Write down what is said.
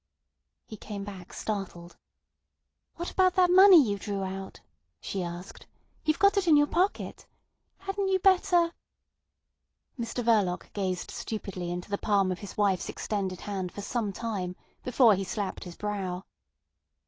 He came back startled. "What about that money you drew out?" she asked. "You've got it in your pocket? Hadn't you better—" Mr Verloc gazed stupidly into the palm of his wife's extended hand for some time before he slapped his brow.